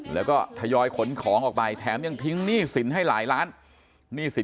แล้วก็ทยอยขนของออกไปแถมยังทิ้งหนี้สินให้หลายล้านหนี้สิน